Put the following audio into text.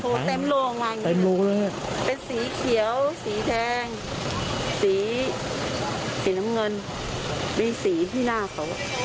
เต็มโรงมาอย่างนี้เป็นสีเขียวสีแดงสีสีน้ำเงินมีสีที่หน้าเขา